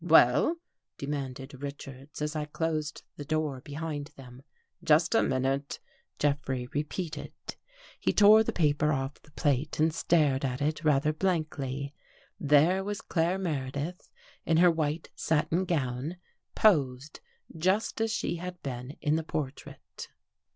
"Well?" demanded Richards, as I closed the door behind them. " Just a minute," Jeffrey repeated. He tore the paper off the plate and stared at it rather blankly. There was Claire Meredith in her white satin gown, posed just as she had been in the portrait.